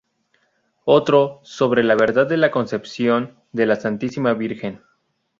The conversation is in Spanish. Otro "Sobre la verdad de la Concepción de la Santísima Virgen".